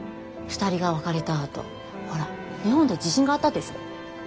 ２人が別れたあとほら日本で地震があったでしょ。